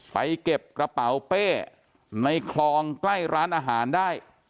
ไปเก็บกระเป๋าเป้ในคลองใกล้ร้านอาหารได้